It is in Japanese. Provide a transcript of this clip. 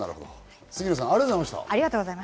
杉野さん、ありがとうございました。